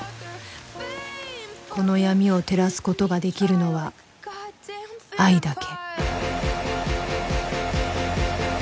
この闇を照らすことができるのは愛だけ